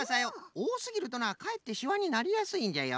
おおすぎるとなかえってしわになりやすいんじゃよ。